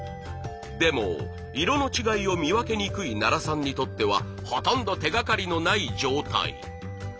でも色の違いを見分けにくい奈良さんにとってはほとんど手がかりのない状態。